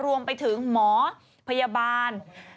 รวมไปถึงหมอพยาบาล